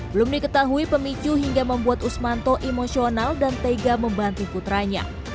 belum diketahui pemicu hingga membuat usmanto emosional dan tega membantu putranya